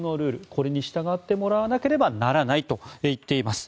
これに従ってもらわなければならないと言っています。